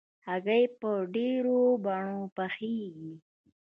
هګۍ په ډېرو بڼو پخېږي.